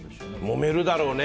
もめるだろうね。